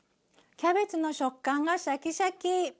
キャベツの食感がシャキシャキ。